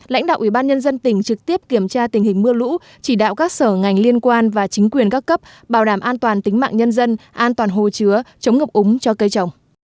lãnh đạo ủy ban nhân dân tỉnh trực tiếp kiểm tra tình hình mưa lũ chỉ đạo các sở ngành liên quan và chính quyền các cấp bảo đảm an toàn tính mạng nhân dân an toàn hồ chứa chống ngập úng cho cây trồng